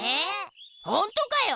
ほんとかよ！